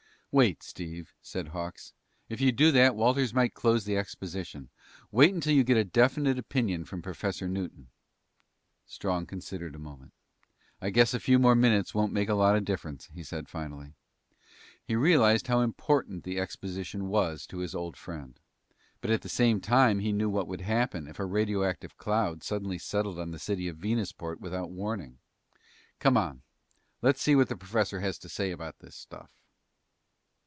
"Wait, Steve," said Hawks. "If you do that, Walters might close the exposition. Wait until you get a definite opinion from Professor Newton." Strong considered a moment. "I guess a few more minutes won't make a lot of difference," he said finally. He realized how important the exposition was to his old friend. But at the same time, he knew what would happen if a radioactive cloud suddenly settled on the city of Venusport without warning. "Come on. Let's see what the professor has to say about this stuff."